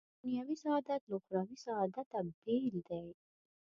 دنیوي سعادت له اخروي سعادته بېل دی.